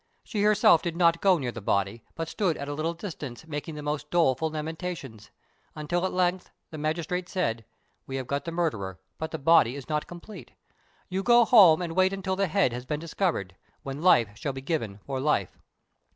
She herself did not go near the body, but stood at a little distance making the most doleful lamentations; until at length the magistrate said, "We have got the murderer, but the body is not complete; you go home and wait until the head has been discovered, when life shall be given for life."